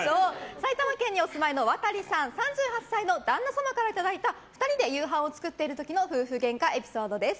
埼玉県にお住まいの渡さん、３８歳の旦那様からいただいた２人で夕飯を作っている時の夫婦げんかエピソードです。